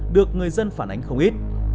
được người dân phản ánh không ít